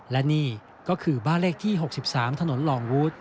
และนี่ก็คือบ้านเลขที่๖๓ถนนลองวูด